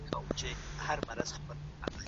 توپیر یوازې په تقوا دی.